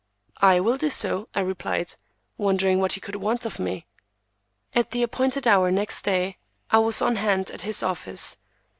"I will do so," I replied, wondering what he could want of me. At the appointed hour the next day I was on hand at his office.